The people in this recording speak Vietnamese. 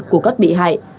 của các bị hại